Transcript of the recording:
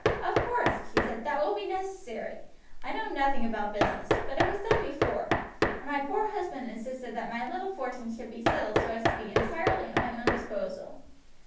"Of course," she said, "that will be necessary. I know nothing about business, but it was done before, and my poor husband insisted that my little fortune should be settled so as to be entirely at my own disposal."